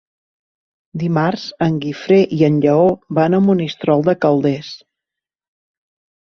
Dimarts en Guifré i en Lleó van a Monistrol de Calders.